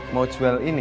mau jual ini